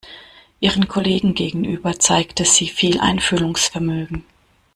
Ihren Kollegen gegenüber zeigte sie viel Einfühlungsvermögen.